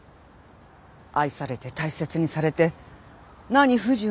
愛されて大切にされて何不自由ない生活が送れて。